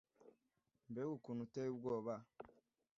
Mbega ukuntu uteye ubwoba